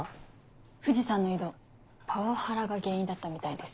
藤さんの異動パワハラが原因だったみたいです。